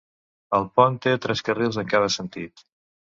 El pont té tres carrils en cada sentit.